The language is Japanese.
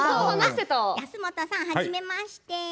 安元さん、はじめまして。